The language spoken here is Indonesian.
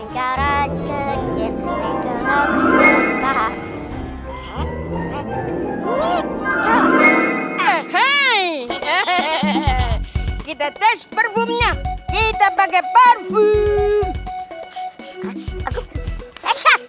kita tes perumah kita pakai parfum